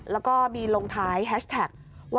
แล้วก็มีลงท้ายแฮชแท็กว่า